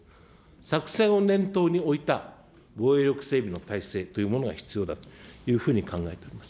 作戦を念頭に置いた防衛力整備の体制というものが必要だというふうに考えております。